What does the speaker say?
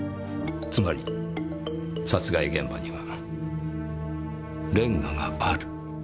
つまり殺害現場にはレンガがある。